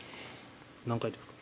何回ですか？